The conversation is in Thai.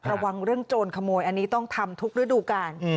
ระวังเรื่องโจรขโมยอันนี้ต้องทำทุกฤดูกาล